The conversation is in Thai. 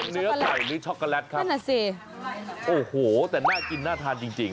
เนื้อไก่หรือช็อกโกแลตครับโอ้โฮแต่น่ากินน่าทานจริง